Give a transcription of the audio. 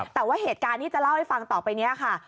แต่ว่าเหตุการณ์ที่จะเล่าให้ฟังต่อไปนี้ค่ะ